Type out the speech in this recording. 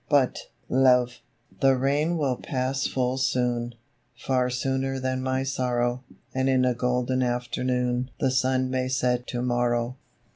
But, love, the rain will pass full soon, Far sooner than my sorrow, And in a golden afternoon The sun may set to morrow.